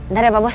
ntar ya pak bos